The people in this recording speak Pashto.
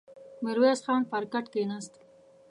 ميرويس خان پر کټ کېناست.